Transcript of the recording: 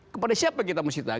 kepada siapa kita mau cerita